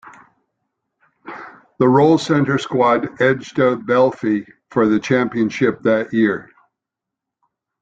The Rollcentre squad edged out Balfe for the championship that year.